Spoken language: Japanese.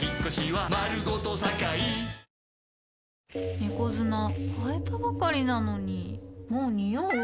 猫砂替えたばかりなのにもうニオう？